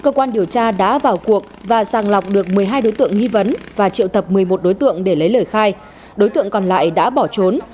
cơ quan điều tra đã vào cuộc và sàng lọc được một mươi hai đối tượng nghi vấn và triệu tập một mươi một đối tượng để lấy lời khai đối tượng còn lại đã bỏ trốn